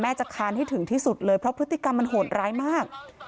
จะคานให้ถึงที่สุดเลยเพราะพฤติกรรมมันโหดร้ายมาก